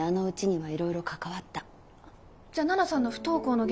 はい。